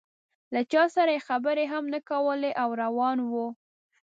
له چا سره یې خبرې هم نه کولې او روان و.